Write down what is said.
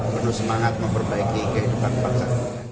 penuh semangat memperbaiki kehidupan bangsa